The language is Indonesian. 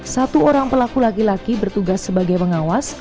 satu orang pelaku laki laki bertugas sebagai pengawas